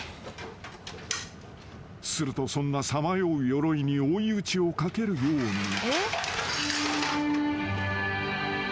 ［するとそんなさまようヨロイに追い打ちをかけるように］